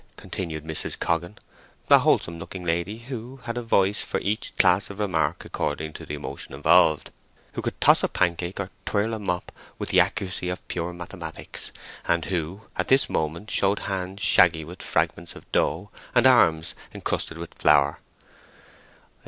continued Mrs. Coggan (a wholesome looking lady who had a voice for each class of remark according to the emotion involved; who could toss a pancake or twirl a mop with the accuracy of pure mathematics, and who at this moment showed hands shaggy with fragments of dough and arms encrusted with flour).